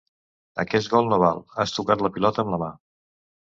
Aquest gol no val: has tocat la pilota amb la mà.